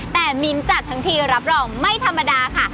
แต่มิ้นจัดทั้งทีรับรองไม่ธรรมดาค่ะ